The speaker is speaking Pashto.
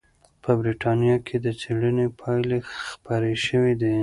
په بریتانیا کې د څېړنې پایلې خپرې شوې دي.